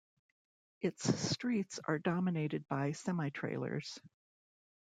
Its streets are dominated by semitrailers.